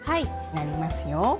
なりますよ。